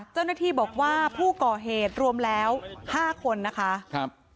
เจ้าหน้าที่บอกว่าผู้ก่อเหตุรวมแล้ว๕คนนะคะครับ